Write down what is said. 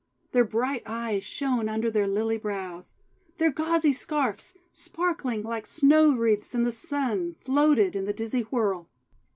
Their bright eyes shone under their lily brows. Their gauzy scarfs, sparkling like snow wreaths in the Sun, floated in the dizzy whirl.